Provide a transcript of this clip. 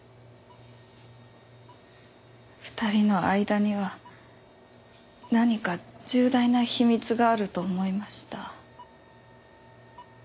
２人の間には何か重大な秘密があると思いました。